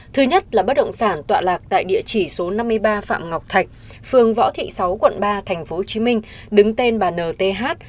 thứ nhất là bất động sản tọa lạc tại địa chỉ số năm mươi ba phạm ngọc thạch phường võ thị sáu quận ba tp hcm đứng tên bà nth